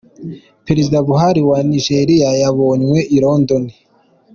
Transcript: Perezida Buhari wa Nigeria yabonywe i London.